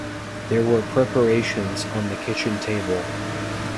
There were preparations on the kitchen table.